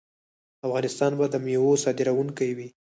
افغانستان به د میوو صادروونکی وي.